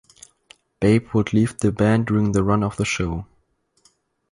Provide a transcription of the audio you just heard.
Babe would leave the band during the run of the show.